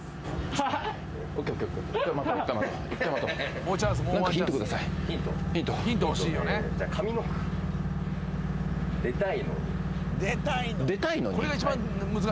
はい。